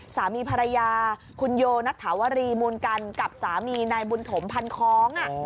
สามีภรรยาคุณโยนัทถาวรีมูลกันกับสามีนายบุญถมพันคล้อง